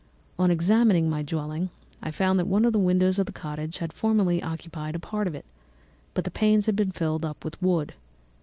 "On examining my dwelling, I found that one of the windows of the cottage had formerly occupied a part of it, but the panes had been filled up with wood.